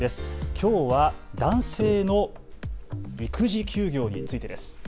きょうは男性の育児休業についてです。